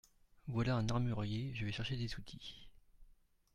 Voilà un armurier, je vais chercher des outils…